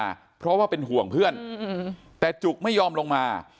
ขวัญบอกว่าขวัญก็พยายามเรียกเพื่อนให้ลงมา